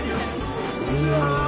こんにちは！